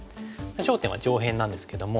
焦点は上辺なんですけども。